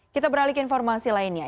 kita beralih ke informasi lainnya